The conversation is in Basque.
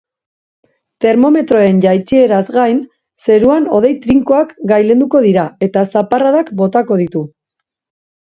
Termometroen jaitsieraz gain, zeruan hodei trinkoak gailenduko dira eta zaparradak botako ditu.